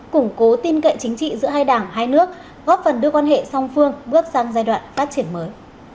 củng cố tin cậy chính trị giữa hai đảng hai nước góp phần đưa quan hệ song phương bước sang giai đoạn phát triển mới